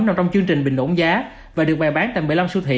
nằm trong chương trình bình ổn giá và được bày bán tại một mươi năm siêu thị